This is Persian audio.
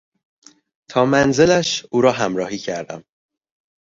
تا منزلش او را همراهی کردم.